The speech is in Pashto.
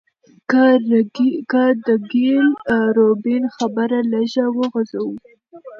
که د ګيل روبين خبره لږه وغزوو